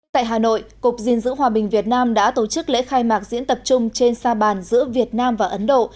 tại hà nội cục diện giữ hòa bình việt nam đã tổ chức lễ khai mạc diễn tập chung trên sa bàn giữa việt nam và ấn độ